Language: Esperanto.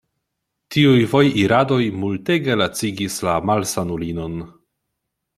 Tiuj vojiradoj multege lacigis la malsanulinon.